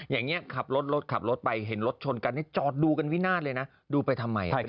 อย่างนี้ขับรถรถขับรถขับรถไปเห็นรถชนกันจอดดูกันวินาศเลยนะดูไปทำไม